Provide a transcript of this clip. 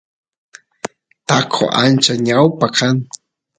taqo ancha ñawpa kan